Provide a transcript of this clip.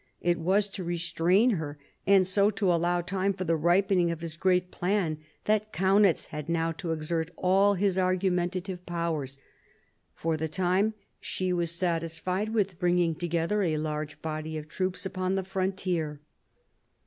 It was to restrain her, and so to allow time for the ripening of his great plan, that Kaunitz had now to exert all his argumentative powers. For the time, she was satisfied with bringing together a large body of troops upon the frontier.